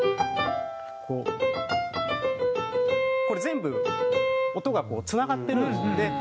これ全部音がつながってるんですよ。